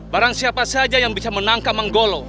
barang siapa saja yang bisa menangkap menggolo